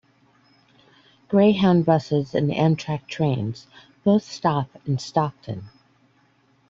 Greyhound buses and Amtrak trains both stop in Stockton.